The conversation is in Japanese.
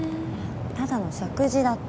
ただの食事だって。